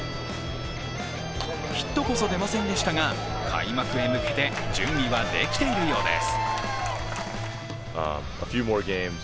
ヒットこそ出ませんでしたが、開幕へ向けて準備はできているようです。